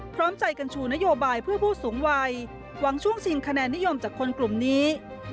พร้อมใจกันชูนโยบายเพื่อผู้สูงวัยหวังช่วงชิงคะแนนนิยมจากคนกลุ่มนี้